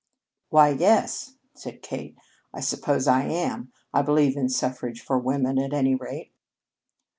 "Why, yes," admitted Kate. "I suppose I am. I believe in suffrage for women, at any rate."